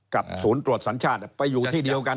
ศูนย์ตรวจสัญชาติไปอยู่ที่เดียวกัน